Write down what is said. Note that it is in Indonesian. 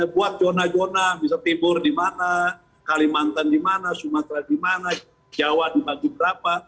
buat zona zona bisa tibur di mana kalimantan di mana sumatera di mana jawa dibagi berapa